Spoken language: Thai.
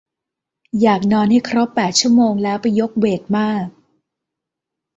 อยากนอนให้ครบแปดชั่วโมงแล้วไปยกเวทมาก